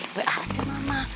gue ajar mama